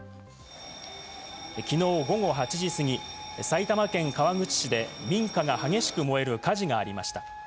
昨日午後８時過ぎ、埼玉県川口市で民家が激しく燃える火事がありました。